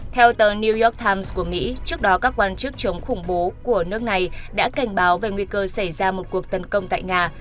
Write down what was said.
theo tờ new york times của mỹ trước đó các quan chức chống khủng bố của nước này đã cảnh báo về nguy cơ xảy ra một cuộc tấn công tại nga